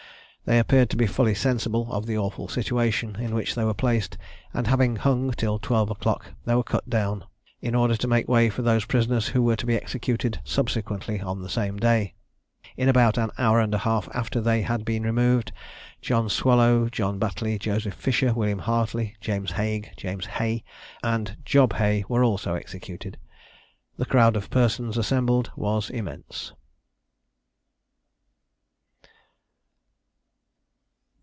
They appeared to be fully sensible of the awful situation in which they were placed; and having hung till twelve o'clock, they were cut down, in order to make way for those prisoners who were to be executed subsequently on the same day. In about an hour and a half after they had been removed, John Swallow, John Batley, Joseph Fisher, William Hartley, James Haigh, James Hey, and Job Hay, were also executed. The crowd of persons assembled was immense.